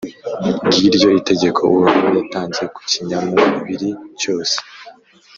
Ngiryo itegeko Uhoraho yatanze ku kinyamubiri cyose;